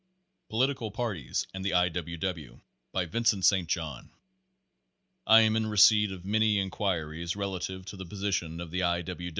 POLITICAL PARTIES AND THE I. W. W. By Vincent St. John. I am in receipt of many inquiries relative to the position of the I.